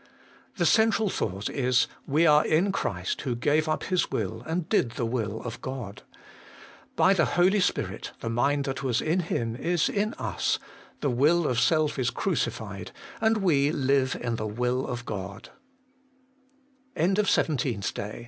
4. The central thought is : We are in Christ, who gave up His will and did the will of God. By the Holy Spirit the mind that was In Him is In us, the will of self is crucified, and we Hue in t